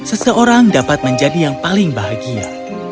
seseorang dapat menjadi yang paling bahagia